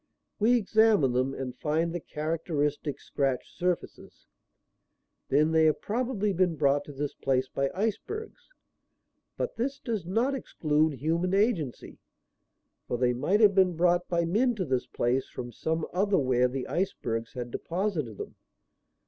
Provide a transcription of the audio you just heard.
We examine them and find the characteristic scratched surfaces. Then they have probably been brought to this place by icebergs. But this does not exclude human agency, for they might have been brought by men to this place from some other where the icebergs had deposited them.